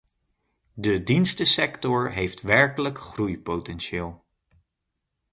De dienstensector heeft werkelijk groeipotentieel.